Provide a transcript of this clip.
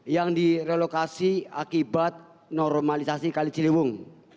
yang direlokasi akibat normalisasi kali ciliwung